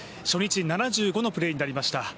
初日７５のプレーになりました